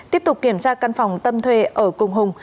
tiếp tục kiểm tra căn phòng tâm thuê ở cùng hùng